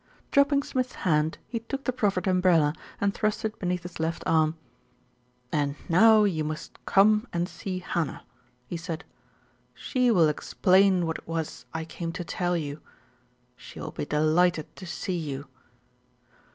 Dropping Smith's hand, he took the proffered um brella and thrust it beneath his left arm. "And now you must come and see Hannah," he said. "She will explain what it was I came to tell you. She will be delighted to see you."